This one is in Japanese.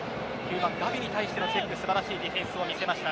ガヴィに対してのチェック素晴らしいディフェンスを見せました。